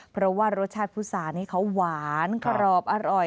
เพราะว่ารสชาติพุษานี้เขาหวานกรอบอร่อย